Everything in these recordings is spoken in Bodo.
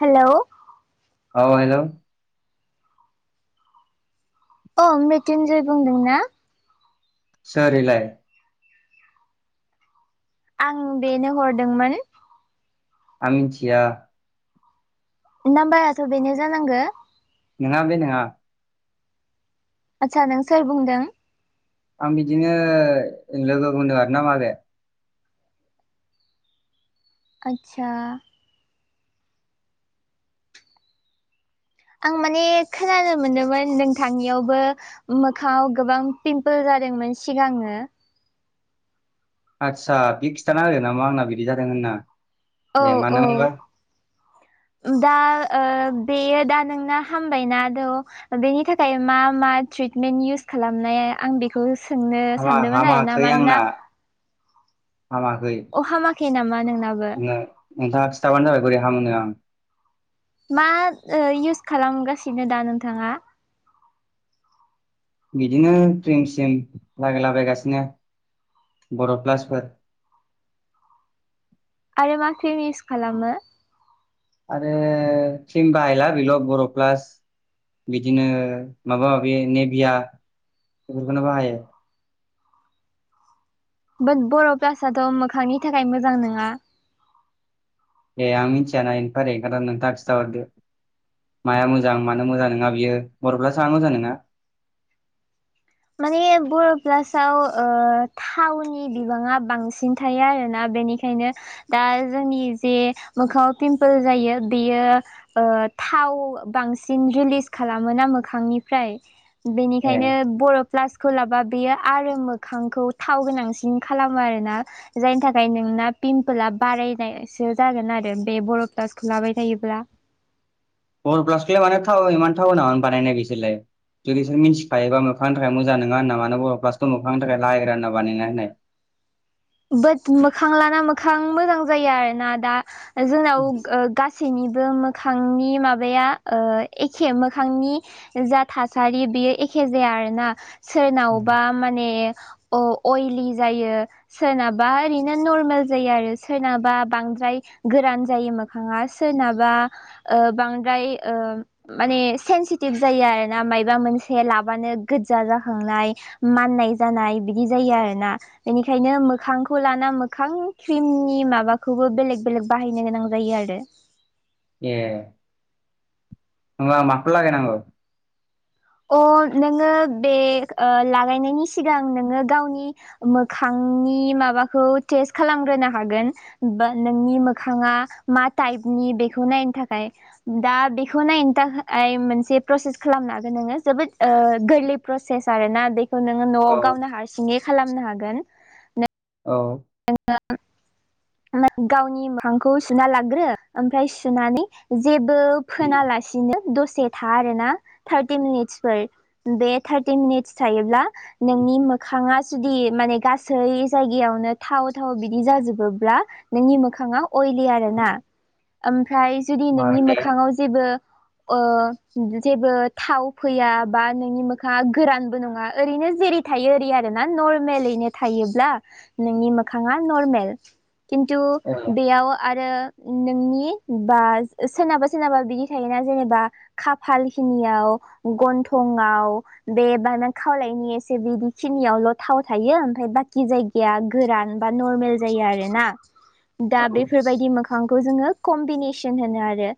हेलौ औ हेलौ अ मृत्यन्जय बुंदों ना सोर इलाय आं बेनो हरदोंमोन आं मिथिया नाम्बाराथ' बेनो जानांगो नङा बे नङा आदसा नों सोर बुंदों आं बिदिनो लोगो होनदों आरोना माबे आदसा आं माने खोनानो मोनोमोन नोंथांनियावबो मोखाङाव गोबां पिमपोल जादोंमोन सिगाङो आदसा बे खिन्थाना हो नामा आंना बिदि जादों होनना औ ए औ मानो मोनबा दा बेयो दा नोंना हामबायना द' बेनि थाखाय मा मा ट्रिटमेन्ट इउस खालामनाया आं बे खौ सोंनो हामा सानदोंमोन आरोना हामाखै आंना मानोना हामाखै अ हामाखै नामा नोंनाब नो नोंथाङा खिथाबानो जाबाय बोरै हामहोनो आं। मा ओ इउस खालामगासिनो दा नोंथाङा? बिदिनो ख्रिम सिम लागायलाबायगासिनो बर' प्लासफोर। आरो मा ख्रिम इउस खालामो? आरो ख्रिम बाहायला बेल' बर' प्लास। बिदिनो माबा माबि नेभिया बेफोरखौनो बाहायो। बो बर' क्लासथ' मोखांनि थाखाय मोजां नङा। ए आं मिन्थियाना [unintelligible] नोंथाङा खिनथाहरदो। माया मोजां मानो मोजां नङा बियो बर'फ्लासा मोजां नङा? माने बर' प्लासाव ओ थावनि बिबाङा बांसिन थायो आरोना बेनि बेखायनो दा जोंनि जे मोखाङाव पिमपोल जायो बेयो ओ थाव बांसिन रिलिस खालामोना मोखांनिफ्राय। ए बेनिखायनो बर' प्लासखौ लाबा बेयो आरो मोखांखौ थाव गोनांसिन खालामो आरोना। जायनि थाखाय नोंना पिमपोल बारायनायसो जागोन आरो बे बर प्लाउसखौ लाबाय थायोब्ला। बर प्लासखौलाय मानो थाव इमान थाव होना बानायनाय बिसोरलाय? जुदि बिसोर मिनथिखायोबा मोखांनि थाखाय मोजां नङा होन्ना मानो बर' प्लासखौ मोखांनि थाखाय रायग्रा होनना बानायनायना होनाय? बाट मोखां लाना मोखां मोजां जायो आरोना दा जोंनाव ओ गा सैनिबो मोखांनि माबाया ओ एखे मोखांनि जा थासारि बेयो एखे जाया आरोना। सोरनावबा माने अ अइलि जायो। सोरनाबा ओरैनो नरमेल जायो आरो सोरनाबा बांद्राय गोरान जायो मो खाङा सोरनाबा ओ बांद्राय ओ माने सेनसिटिभ जायो आरोना मायबा मोनसे लाबानो गोजजा जाखांनाय। माननाय जानाय बिदि जायो आरो ना बेनि खायनो मोखांखौ लाना मोखां क्रिमनि माबाखौबो बेलेग बेलेग बाहायनो गोनां जायो आरो। ए। होनब्ला आं माखौ लागायनांगौ? अ नोङो बे ओ लागायनायनि सिगां नोङो गावनि मोखांनि माबाखौ टेस्ट खालामग्रोनो हागोन बा नोंनि मोखाङा मा टाइपनि बेखौ नायनो थाखाय। दा बेखौ नायनो थाखाय मोनसे प्रसेस खालामनो हागोन नोङो जोबोद ओ गोरलै प्रसेस आरो ना बेखौ नोङो न'आव औ गावनो हारसिङै खालामनो हागोन। औ। [unintelligible] गावनि मोखांखौ सुना लाग्रो ओमफ्राय सुनानै जेबो फोनालासिनो दसे था आरोना थार्टि मिनिट्सफोर बे थार्टि मिनिट्स थायोब्ला नोंनि मोखाङा जुदि माने गासै जायगायावनो थाव थाव बिदि जाजोबोब्ला नोंनि मोखाङा अइलि आरो ना ओमफ्राय जुदि मा नोंनि दे मोखाङाव जेबो ओ जेबो थाव फैया बा नोंनि मोखाङा गोरानबो नङा ओरैनो जेरै थायो ओरै आरो ना नर्मेलैनो थायोब्ला नोंनि मोखाङा नरमेल खिन्थु औ बेयाव आरो नोंनि बा सोरनाबा सोरनाबा बिदि थायोना जेनेबा खाफाल खिनियाव गन्थंआव बे बा खावलायनि एसे बिदि खिनियावल' थाव थायो ओमफ्राय बाखि जाय गोरान बा नर्मेल जायो आरोना दा बेफोरबायदि मोखां फांखौ जोङो कम्बिनेसन होनो आरो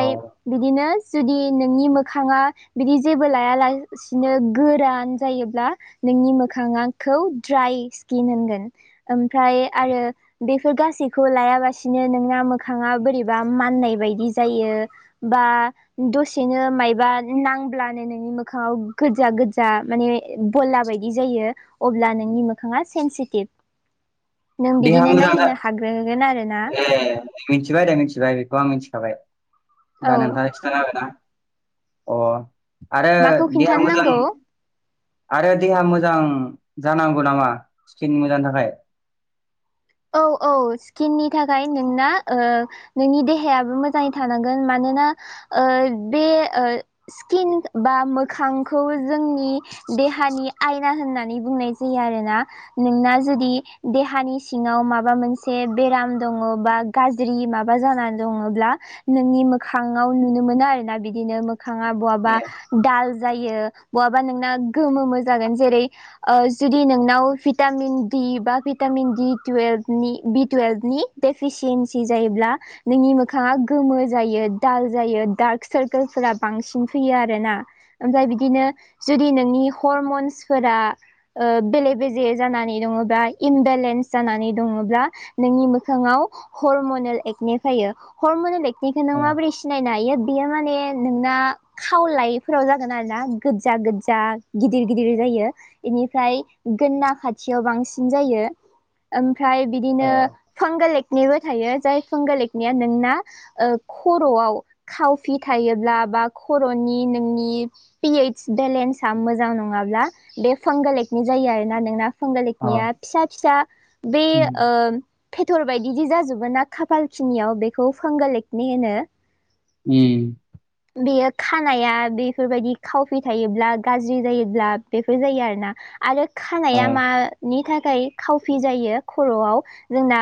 औ बिदिनो जुदि नोंनि मोखाङा बिदि जेबो लाया सिनो गोरान जायोब्ला नोंनि मोखाङाखौ द्राइ स्किन होनगोन ओमफ्राय आरो बेफोर गासैखौ लायाबासिनो नोंना मोखाङा बोरैबा माननाय बायदि जायो। बा दसेनो मायबा नांब्लानो नोंनि मोखाङाव गोजा गोजा माने बला बायदि जायो अब्ला नोंनि मो नोंथाङा सेन्थिथिब नों देहा बिदिनो मोजां जा नायनो हाग्रोगोन आरो ना ए मिथिबाय दे मिथिबाय बेखौ आं मिथिखाबाय औ दा नोंथाङा खिथानो हागोन ना? अ आरो माखौ देहा खिन्थानो मोजां नांगौ आरो देहा मोजां जानांगौ नामा स्किन मोजांनि थाखाय औ औ स्किननि थाखाय नोंना ओ नोंनि देहायाबो मोजाङै थानांगोन मानोना ओ बे ओ स्किन बा मोखांखौ जोंनि देहानि आयना होननानै बुंनाय जायो आरोना नोंना जुदि देहानि सिङाव माबा मोनसे बेराम दङ बा गाज्रि माबा जानानै दङब्ला नोंनि मोखाङाव नुनो मोनो आरो ना बिदिनो मोखाङा बहाबा ए दाल जायो बहाबा नोंना गोमो मो जागोन जेरै ओ जुदि नोंनाव भिटामिन डि बा भिटामिन दि टुयेल्भ नि बि टुयेल्भनि डेफिसियन्सि जायोब्ला नोंनि मोखाङा गोमो जायो दाल जायो डार्क सारकोलफोरा बांसिन फैयो आरोना ओमफ्राय बिदिनो जुदि नोंनि हरमन्सफोरा ओ बेले बेजे जानानै दङोबा इमबेलेन्स जानानै दङब्ला नोंनि मोखाङाव हरमनेल एकनि फायो हरमनेल ए बेखौ नों ओ माबोरै सिनायनो हायो? बेयो माने नोंना खावलायफोराव जागोन आरो ना गोजा गोजा गिदिर गिदिर जायो बेनिफ्राय गोना खाथियाव बांसिन जायो ओमफ्राय बिदिनो ओ फोंगो लेकनिबो थायो जाय फोंग लेकनिया नोंना खर'आव खावफि थायोब्ला बा खर'नि नोंनि पिओइस बेलेन्स आ मोजां नङाब्ला बे फांगालेकनि जायो आरोना नोंना अ फांगालेखनिया फिसा फिसा बे उम ओ ओ फेटर बायदिदि जाजोबो ना खाफाल खिनियाव बेखौ फांग एकनि होनो [inaudible] उम [inaudible] बेयो खानाया बेफोरबायदि खावफि थायोब्ला गाज्रि जायोब्ला बेफोर जायो आरोना आरो ओ खानाया मानि थाखाय खावफि जायो खर'आव जोंना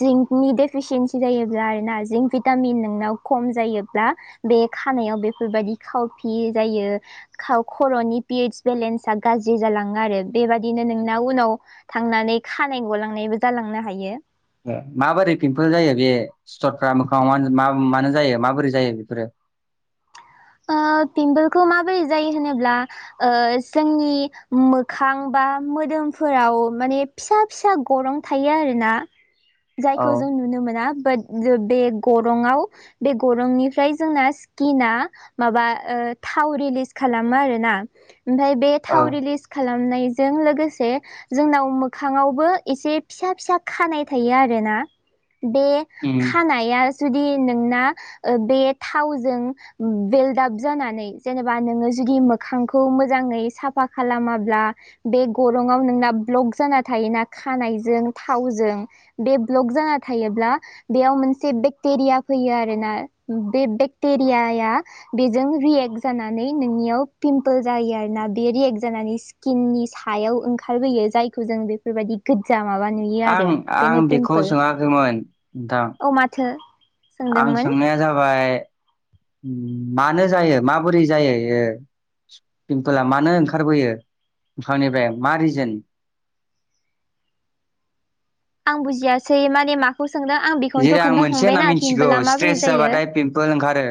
जिंकनि डेफिसियन्सि जायोब्ला आरोना जिंक भिटामिन नोंनाव खम जायोब्ला बे खानायाव बेफोरबायदि खावफि जायो। खर'नि पस बेलेन्स आ गाज्रि जालाङो आरो बेबादिनो नोंना उनाव थांनानै खानाय गलांनायबो जालांनो हायो ए माबोरै पिम्पोल जायो बे सिथरफ्रा मोखाङाव मा मानो जायो माबोरै जायो बेफोरो? ओ पिम्पोलखौ माबोरै जायो होनोब्ला ओ जोंनि मोखां बा मोदोमफोराव माने फिसा फिसा गरं थायो आरोना औ जायखौ जों नुनो मोना बाट बे गरंआव बे गरंनिफ्राय जोंना स्किना माबा थाव रिलिस खालामो आरोना ओमफ्राय बे औ थाव रिलिस खालामनायजों लोगोसे जोंनाव मोखाङावबो एसे फिसा फिसा खानाय थायो आरोना बे उम। खानाया जुदि नोंना ओ बे थावजों बे दाग जानानै जेनेबा नोङो जुदि मोखांखौ मोजाङै साफा खालामाब्ला बे गरं'आव नोंना ब्लक जाना थायोना खानायजों थावजों। बे ब्लक जाना थायोब्ला बेयाव मोनसे बेक्टेरिया फैयो आरोना बे बेक्टेरियाया बेजों रियेक्ट जानानै नोंनियाव पिमपोल जायो आरो ना बे रियेक्ट जानानै स्किननि सायाव ओंखारबोयो जायखौ जों बेफोरबायदि गोज्जा माबा नुयो आं आरो बेनो आं बेखौ पिमपोल सोङाखैमोन नोंथां औ माथो। आं सोंदोंमोन सोंनाया जाबाय मानो जायो माबोरै जायो इयो? पिम्पोला मानो ओंखारबोयो मोखांनिफ्राय मा रिजोन? आं बुजियासै माने मा खौ सोंदों आं जेरै बेखौनोथ' आं मोनसे होनना खोनन्थाखांबायना मिथिगौ पिमबफोला माबोरै स्ट्रेस जायो। जाबाथाय पिमपोल ओंखारो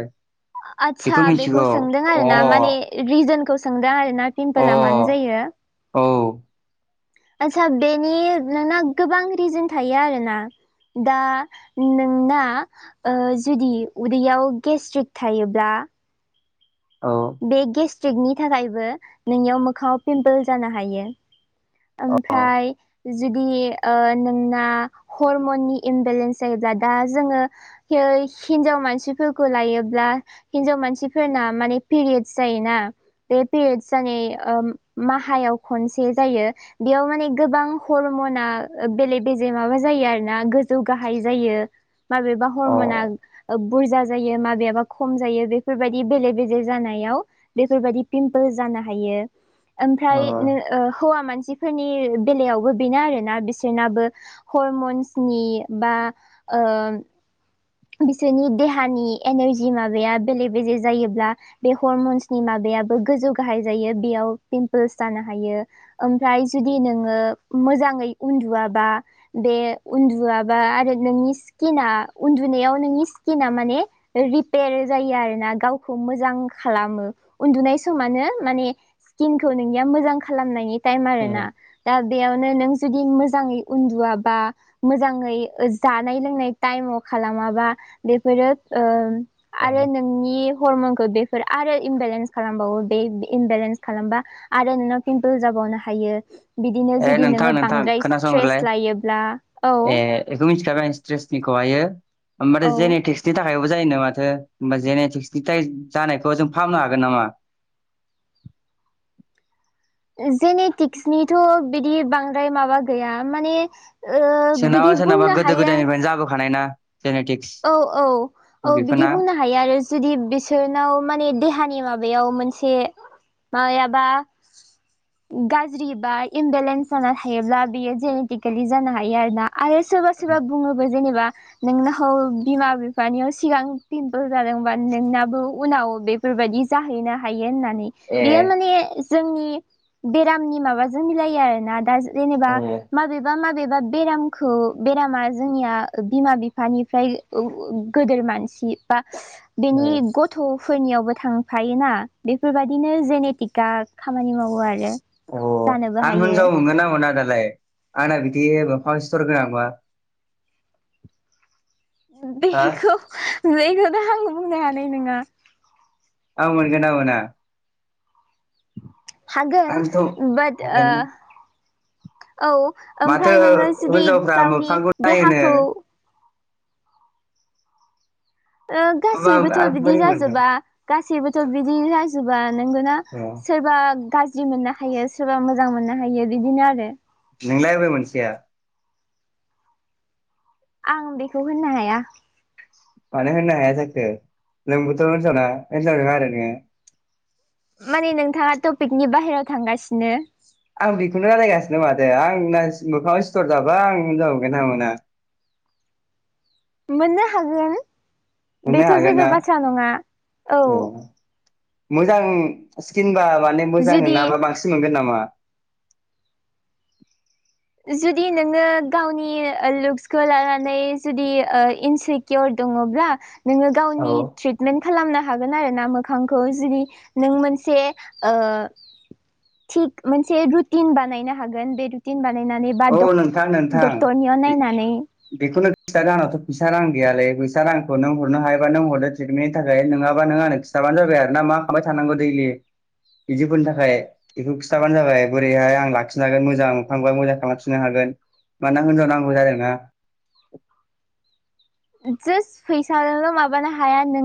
आदसा बेखौ सोंदों आरो अ ना माने रिजोनखौ सोंदों आरो ना अ पिम्पला मानो जायो? औ। आदसा बेनि नोंना गोबां रिजोन थायो आरोना। दा नोंना ओ जुदि उदैयाव गेस्ट्रिक थायोब्ला औ। बे गेस्ट्रिकनि थाखायबो नोंनियाव मोखाङाव पिम्पोल जानो हायो ‌। अ ओमफ्राय जुदि ओ नोंना हरमननि इमबेलेन्स जायोब्ला दा जोङो [unintelligible] हिनजाव मानसिफोरखौ लायोब्ला हिनजाव मानसिफोरना माने पिरियद्स जायोना बे पेरियड्स जानाय माहायाव खनसे जायो। बेयाव माने गोबां हरमना बेले बेजे माबा जायो आरो ना गोजौ गाहाय जायो। माबेबा अ हरमना बुरजा जायो माबेबा खम जायो बेफोरबायदि बेले बेजे जे जानायाव बेफोरबायदि पिमपोल जानो हायो। ओमफ्राय उम नों ओ हौवा मानसिफोरनि बेलायावबो बेनो आरोना बिसोरनाबो हरमन्सनि बा ओ बिसोरनि देहानि एनारजि माबाया बेले बेजे जायोब्ला बे हरमन्सनि माबायाबो गोजौ गाहाय जायो बेयाव पिमपोल्स जानो हायो। ओमफ्राय जुदि नोङो मोजाङै उन्दुआबा बे उन्दुआबा आरो नोंनि स्किना उन्दु मोनायाव नोंनि स्किना माने रिपेयार जायो आरोना गावखौ मोजां खालामो। उन्दुनाय समानो माने स्किनखौ नोंनिया मोजां खालामनायनि टाइम आरोना। दा बेयावनो नों जुदि मोजाङै उन्दुवाबा मोजाङै जानाय लोंनाय टाइमाव खालामाबा बेफोरो ओ आरो उम नों नि हरमनखौ बेफोर आरो इमबेलेन्स खालामबावो बे इमबेलेन्स खालामबा आरो नोंनाव पिमपोल जाबावनो हायो। बिदिनो ए जुदि नोंथां नोङो नोंथां बांद्राय स्ट्रेस खोनासंग्रोलाय लायोब्ला औ। ए बेखौ मिथिखाबाय आं स्ट्रेसनिखौहायो ओमफ्राय औ जेनेटिक्स नि थाखायबो जायोनो माथो होमबा जेनेटिक्सनि जानायखौ जों फाहामनो हागोन नामा? जेनेटिक्सनिथ' बिदि बांद्राय माबा गैया माने ओ सोरनाबा बिदि सोरनाबा बुंनो गोदो हाया गोदायनिफ्रायनो जाबोखानाय ना जेनेटिक औ औ औ बिदि बुंनो हायो आरो जुदि बिसोरनाव माने देहानि माबायाव मोनसे मायाबा गाज्रि बा इमबेलेन्स जाना थायोब्ला बियो जेनेटिकेलि जानो हायो आरोना आरो सोरबा सोरबा बुङोबो जेनेबा नोंनो औ बिमा-बिफानियाव सिगां पिमपोल जादोंबा नोंनाबो उनाव बे बेफोरबायदि जाहैनो हायो होननानै ए बेयो माने जोंनि बेरामनि माबाजों मिलायो आरो ना दा जेनेबा उम माबेबा -माबेबा बेरामखौ बेरामा जोंनिया बिमा बिफ बिफानिफ्राय गेदोर मानसि बा बेनि उम ग गथ'फोरनियावबो थांफायोना बेफोरबायाददिनो जेनेटिकआ खामानि मावो आरो अ जानोबो आं हायो हिनजाव मोनगोन ना मोन दालाय? आंना बिदिब मोखांआव सिथर गोनांबा हा बेखौ बेखौथ आं बुंनो हानाय नंङा। औ मोनगोन ना मोना? हागोन आंथ' बट ओ हागोन औ माथो ओमफ्राय नोङो जुदि हिनजावफ्रा गावनि मोखांखौ नायनो देहाखौ गासैबोथ' गोबां बिदि बोरै मोनदों जाजोबा? गासैबोथ' बिदि जाजोबा नोंगौना अ सोरबा गाज्रि मोननो हायो सोरबा मोजां मोननो हायो बिदिनो आरो। नोंलाय बेबो मोनसेया [unintelligible] आं उन्दैखौ होननो हाया। मानो होनो हाया जाखो नोंबोथ' हिनजावना हिनजाव नङा आरो नोङो? माने नोंथाङा टपिकनि बाहेरायाव थांगासिनो आं बेखौनो रायलायगासिनो माथो आंना मोखाङाव स्थर जाबा आं हिनजाव मोनगोन ना मोना? मोननो हागोन मोननो बेथ' हागोन जेबो ना बाथ्रा नङा औ मोजां स्कनबा माने मोजां जुदि नाबा बांसिन मोनगोन नामा? जुदि नोङो गावनि लुक्सखौ लानानै जुदि इनस्रि कर दङब्ला नोङो औ गावनि ट्रिटमेन्ट खालामनो हागोन आरो ना मोखांखौ जुदि नों मोनसे ओ थिग मोनसे रुटिन बानायनो हागोन बे रुटिन बानाय नायनानै बा औ नोंथां नोंथां डक्टरनियाव नायनानै बेखौनो खिथ र आंनावथ' फैसा रां गैयालैसा रांखौ नों हरनो हायोबा नों हरो ट्रिटमेन्टनि थाखाय नङाबा नों आं खिथ हिसाबानो जाबाय आर ना मा खालामाबबाय थानांगौ दैलि बिदिफोरनि थाखाय बेखौ खिन्थाबानो जाबाय बोरैहाय आं लाखिनो हागोन मोजांखांबा मोजां थांफिननो हागोन मानोना हिनजाव नांगौ जादों ना थोद फैसाजोंल' माबानो हाया नोङो